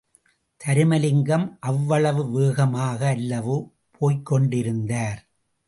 தருமலிங்கம் அவ்வளவு வேகமாக அல்லவோ போய்க்கொண்டிருந்தார்!